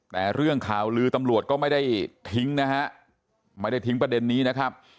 แต่เรื่องข่าวลือตำรวจก็ไม่ได้ทิ้งนะฮะไม่ได้ทิ้งประเด็นนี้นะครับ